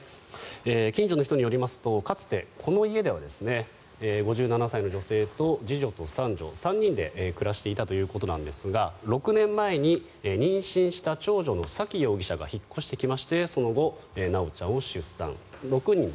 近所の人によりますとかつて、この家では５７歳の女性と次女と三女３人で暮らしていたということですが６年前に妊娠した長女の沙喜容疑者が引っ越してきましてその後、修ちゃんを出産。